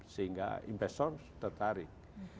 sehingga investor tertarik